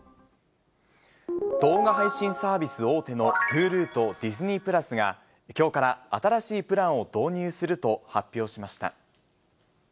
動画配信サービス大手のＨｕｌｕとＤｉｓｎｅｙ＋が、きょうから新しいプランを導入すると発表しました。